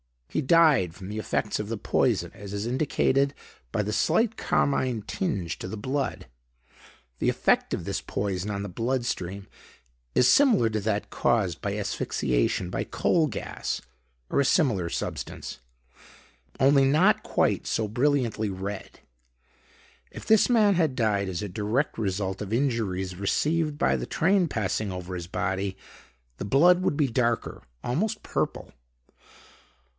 He died from the effects of the poison as is indicated by the slight carmine tinge to the blood. The effect of this poison on the blood stream is similar to that caused by asphyxiation by coal gas or a similar substance, only not quite so brilliantly red. If this man had died as a direct result of injuries received by the train passing over his body, the blood would be darker, almost purple.